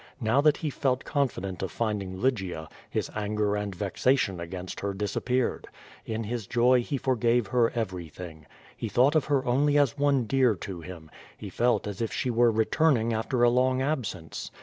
Now that he felt confident of finding Lygia, his anger and vexation against her disappeared. In his joy he forgave her everything. He thought of her only as one dear to him; he felt as if she were reluming after a long absence.